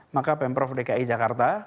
maka pemprov dki jakarta